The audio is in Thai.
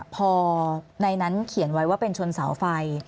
พอในนั้นเขียนไว้ว่าเป็นชนเสาไฟ